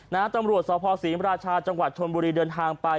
ตำรวจสภศรีมราชาจังหวัดชนบุรีเดินทางไป